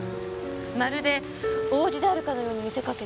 まるで王子であるかのように見せかけて。